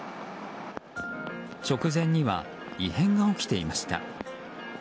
直前には異変が起きていました。